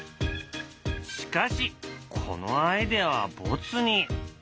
しかしこのアイデアはボツに。